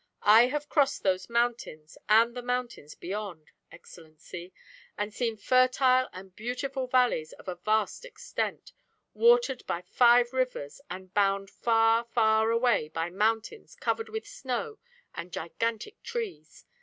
"I have crossed those mountains and the mountains beyond, Excellency, and seen fertile and beautiful valleys of a vast extent, watered by five rivers and bound far, far away by mountains covered with snow and gigantic trees.